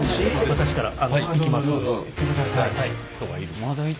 私から行きますので。